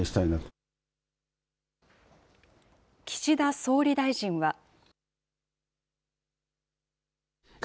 岸田総理大臣は。